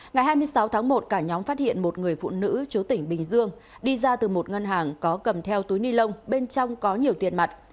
ngày hai mươi sáu tháng một cả nhóm phát hiện một người phụ nữ chú tỉnh bình dương đi ra từ một ngân hàng có cầm theo túi ni lông bên trong có nhiều tiền mặt